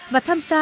và tham gia